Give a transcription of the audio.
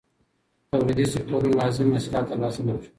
توليدي سکتورونو لازم حاصلات ترلاسه نه کړل.